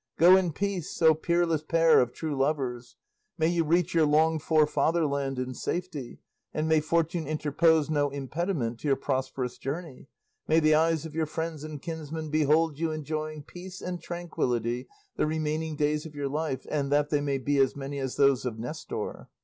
Go in peace, O peerless pair of true lovers! May you reach your longed for fatherland in safety, and may fortune interpose no impediment to your prosperous journey; may the eyes of your friends and kinsmen behold you enjoying in peace and tranquillity the remaining days of your life and that they may be as many as those of Nestor!"